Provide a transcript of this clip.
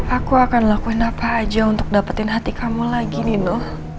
aku akan lakuin apa aja untuk dapetin hati kamu lagi nino